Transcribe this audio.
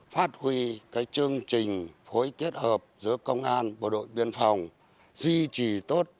phát huy chương trình phối kết hợp giữa công an bộ đội biên phòng duy trì tốt